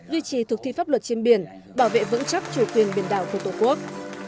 duy trì thực thi pháp luật trên biển bảo vệ vững chắc chủ quyền biển đảo của tổ quốc